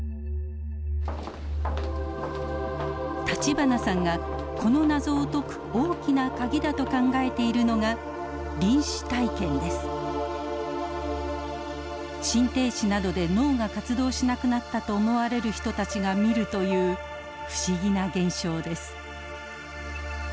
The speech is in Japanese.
立花さんがこの謎を解く大きな鍵だと考えているのが心停止などで脳が活動しなくなったと思われる人たちが見るという不思議な現象です。